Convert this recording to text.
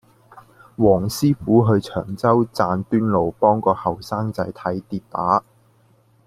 黃師傅去長洲贊端路幫個後生仔睇跌打